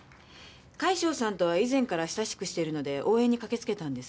快笑さんとは以前から親しくしているので応援に駆けつけたんです。